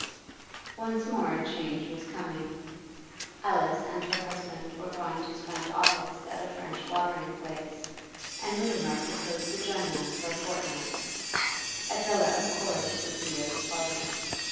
Once more a change was coming. Alice and her husband were going to spend August at a French watering place, and Mutimer proposed to join them for a fortnight; Adela of course would be of the party.